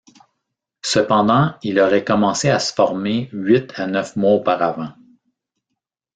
Cependant, il aurait commencé à se former huit à neuf mois auparavant.